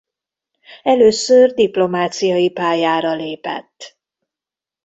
Először diplomáciai pályára lépett.